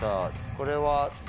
これは。